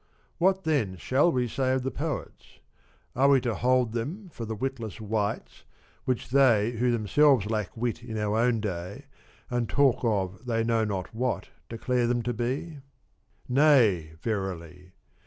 What then shall we say of the Poets ? Are we to hold them for the witless wights, which they who themselves lack wit in our own day and talk of they know not what declare them to be ? Nay verily